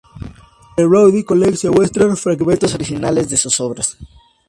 En el Bowdoin College se muestran fragmentos originales de sus obras.